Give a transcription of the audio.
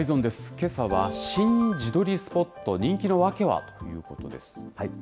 けさは新自撮りスポット、人気の訳は？ということです。